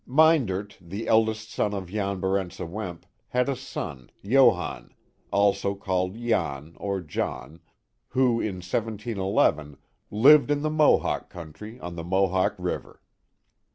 Myndert, the eldest son of Jan Barentse Wemp, had a son, Johannes, also called Jan, or John, who, in 171 1, lived in the Mohawk's country, on the Mohawk River."